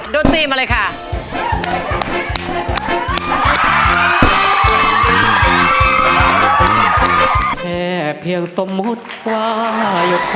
ดูติมเลยค่ะ